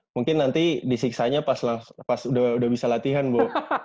mungkin nanti disiksanya pas udah bisa latihan bu